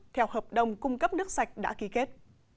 theo hợp đồng cung cấp nước sạch đã ký kết